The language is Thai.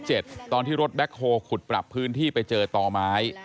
ตอนที่รถแบ็คโฮลขุดปรับพื้นที่ไปเจอต่อไม้